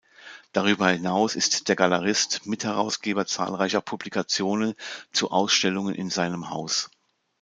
Darüber hinaus ist der Galerist Mitherausgeber zahlreicher Publikationen zu Ausstellungen in seinem Haus.